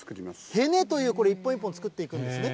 ヘネという、これ一本一本作っていくんですね。